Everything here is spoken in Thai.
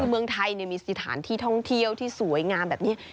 คือเมืองไทยมีสถานที่ท่องเที่ยวที่สวยงามแบบนี้